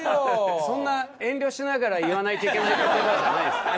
そんな遠慮しながら言わないといけない言葉じゃないですから。